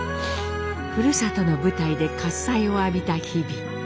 ふるさとの舞台で喝采を浴びた日々。